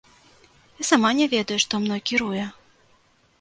Я сама не ведаю, што мной кіруе.